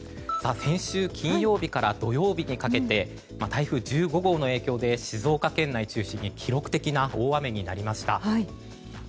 先週金曜日から土曜日にかけて台風１５号の影響で静岡県内中心に記録的な大雨になりました。